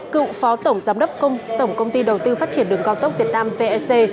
hai cựu phó tổng giám đốc tổng công ty đầu tư phát triển đường cao tốc việt nam vsc